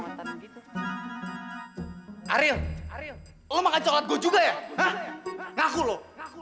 ariel lo makan coklat gua juga ya ngaku lo